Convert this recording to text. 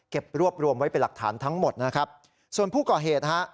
รวบรวมไว้เป็นหลักฐานทั้งหมดนะครับส่วนผู้ก่อเหตุฮะ